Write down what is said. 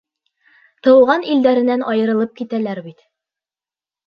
Тыуған илдәренән айырылып китәләр бит.